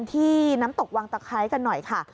ที่น้ำตกวังตะไคร้กันหน่อยค่ะ